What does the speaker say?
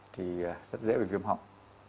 thì rất dễ bị viêm họng